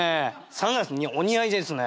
サングラスお似合いですね。